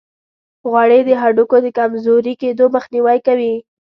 غوړې د هډوکو د کمزوري کیدو مخنیوي کوي.